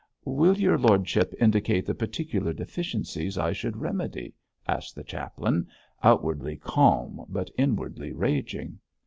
'Will your lordship indicate the particular deficiencies I should remedy?' asked the chaplain, outwardly calm, but inwardly raging.